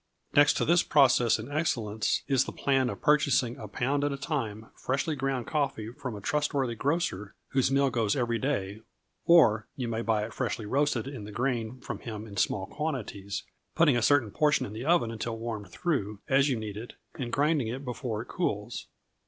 Next to this process in excellence is the plan of purchasing, a pound at a time, freshly ground coffee from a trustworthy grocer, whose mill goes every day; or you may buy it freshly roasted in the grain from him in small quantities, putting a certain portion in the oven until warmed through, as you need it, and grinding it before it cools.